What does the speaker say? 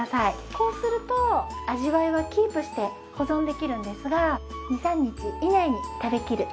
こうすると味わいはキープして保存できるんですが２３日以内に食べきる。